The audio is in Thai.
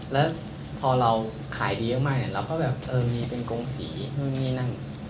แล้วพอเราขายดีเยอะมากเนี่ยเราก็แบบเออมีเป็นกงสีนู่นนี่นั่น